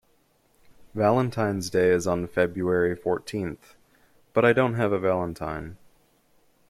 Valentine's Day is on February fourteenth, but I don't have a valentine.